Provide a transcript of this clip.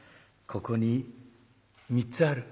「ここに３つある。